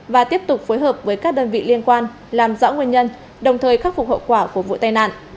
và tiếp tục phối hợp với các đơn vị liên quan làm rõ nguyên nhân đồng thời khắc phục hậu quả của vụ tai nạn